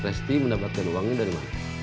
resti mendapatkan uangnya dari mana